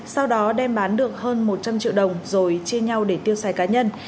sau đó đem bán được hơn một trăm linh triệu đồng rồi chia nhau để tiêu xài cá nhân